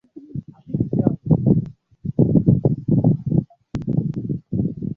Twiga hawa kwa sasa ni wanyama ambao wapo katika uangalizi mkubwa sana hususani hapa